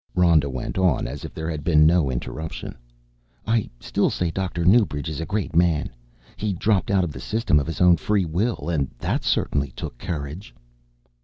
Rhoda went on as if there had been no interruption. "I still say Dr. Newbridge is a great man. He dropped out of the System of his own free will and that certainly took courage!"